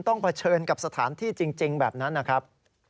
เผชิญกับสถานที่จริงแบบนั้นนะครับ